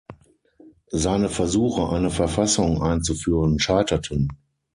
Seine Versuche, eine Verfassung einzuführen, scheiterten.